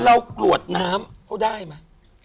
กรวดน้ำเขาได้ไหม